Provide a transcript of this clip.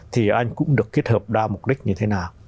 thì anh cũng được kết hợp đa mục đích như thế nào